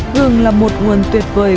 gừng là một nguồn tuyệt vời